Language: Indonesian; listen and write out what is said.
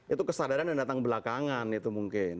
itu kesadaran yang datang belakangan itu mungkin